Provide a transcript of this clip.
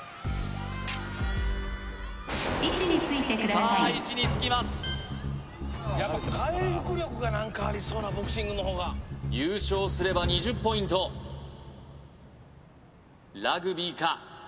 位置についてくださいさあ位置につきますやっぱ回復力が何かありそうなボクシングの方が優勝すれば２０ポイントラグビーか？